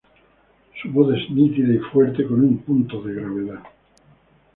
Su voz es nítida y fuerte, con un punto de gravedad.